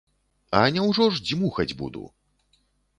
А няўжо ж дзьмухаць буду?